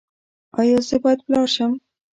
ایا زه باید پلار شم؟